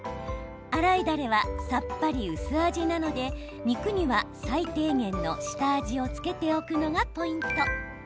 洗いダレはさっぱり薄味なので肉には最低限の下味を付けておくのがポイント。